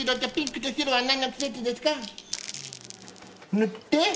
塗って！